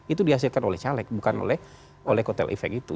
itu dihasilkan oleh caleg bukan oleh kotel efek itu